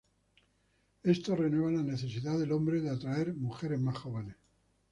Esto renueva la necesidad del hombre de atraer mujeres más jóvenes.